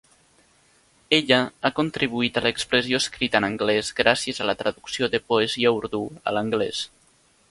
Ella ha contribuït a l'expressió escrita en anglès gràcies a la traducció de poesia urdú a l'anglès.